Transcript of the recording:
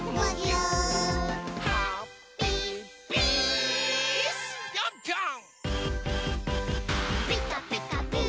うん！